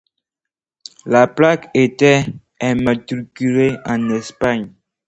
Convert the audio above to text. La plaque était immatriculée en Espagne